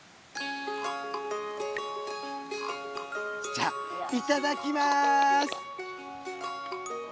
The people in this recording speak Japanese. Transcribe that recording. じゃあいただきます。